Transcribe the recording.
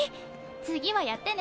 次はやってね。